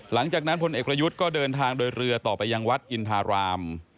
หลังจากนั้นพลเอกรยุทธ์ก็เดินทางโดยเรือต่อไปยังวัดอินทราราม